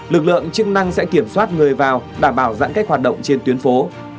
lực lượng chức năng sẽ kiểm soát người vào đảm bảo giãn cách hoạt động trên tuyến phố